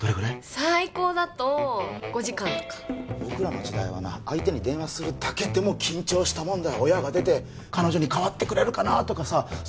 最高だと５時間とか僕らの時代はな相手に電話するだけでも緊張した親が出て彼女に代わってくれるかなーとかさ